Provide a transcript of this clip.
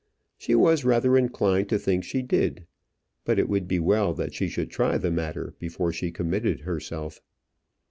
She was rather inclined to think she did; but it would be well that she should try the matter before she committed herself.